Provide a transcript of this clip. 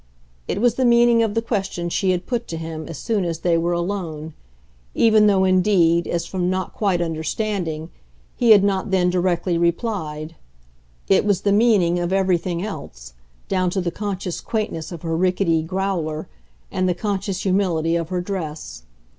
It was the meaning of the question she had put to him as soon as they were alone even though indeed, as from not quite understanding, he had not then directly replied; it was the meaning of everything else, down to the conscious quaintness of her ricketty "growler" and the conscious humility of her dress.